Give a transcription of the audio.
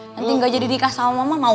nanti gak jadi nikah sama mama mau